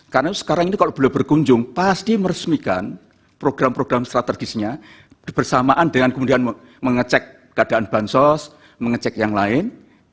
karena sekarang ini kalau beliau berkunjung pasti meresmikan program program strategisnya bersamaan dengan kemudian mengecek keadaan bansos mengecek yang lain